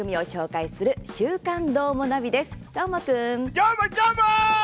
どーも、どーも！